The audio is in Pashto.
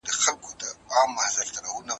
د بشري سرمایې پرمختګ ضروري دی.